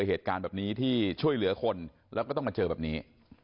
เหตุการณ์แบบนี้ที่ช่วยเหลือคนแล้วก็ต้องมาเจอแบบนี้